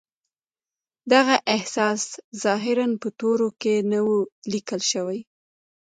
دغه احساس ظاهراً په تورو کې نه و ليکل شوی.